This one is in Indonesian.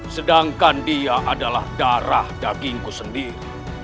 sedangkan dia adalah darah dagingku sendiri